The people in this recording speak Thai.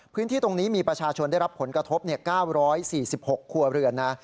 พื้นที่ตรงนี้มีประชาชนได้รับผลกระทบ๙๔๖ครัวเรือนนะ